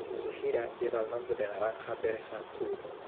Su gira lleva el nombre de Naranja Persa Tour.